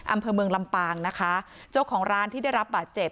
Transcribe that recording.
อำเภอเมืองลำปางนะคะเจ้าของร้านที่ได้รับบาดเจ็บ